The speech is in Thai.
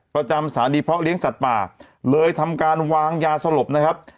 ประจำสถานีเพราะเลี้ยงสัตว์ป่าเลยทำการวางยาสลบนะครับ